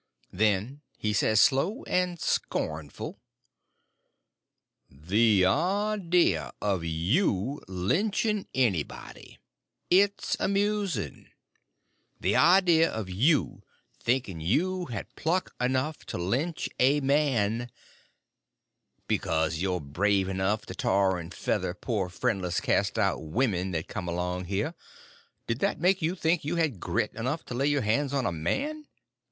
Then he says, slow and scornful: "The idea of you lynching anybody! It's amusing. The idea of you thinking you had pluck enough to lynch a man! Because you're brave enough to tar and feather poor friendless cast out women that come along here, did that make you think you had grit enough to lay your hands on a _man?